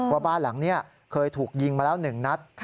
ว่าบ้านหลังนี้เคยถูกยิงมาแล้ว๑นัด